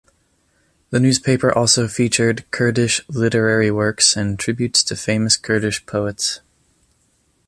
The newspaper also featured Kurdish literary works and tributes to famous Kurdish poets.